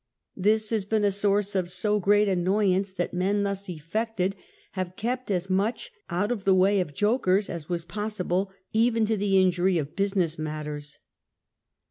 This has been a source of so great an noyance that men thus effected have kept as much out of the way of jokers as was possible, even to the injury of business matters.